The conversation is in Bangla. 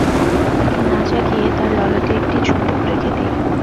তাকে না জাগিয়ে তার ললাটে একটি চুম্বন রেখে দিই।